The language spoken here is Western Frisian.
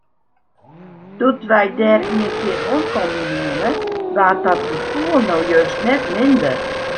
Doe't wy dêr ienkear oankommen wiene, waard dat gefoel no just net minder.